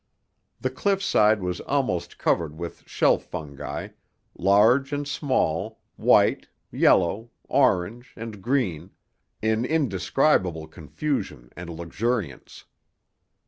The cliffside was almost covered with shelf fungi, large and small, white, yellow, orange, and green, in indescribable confusion and luxuriance.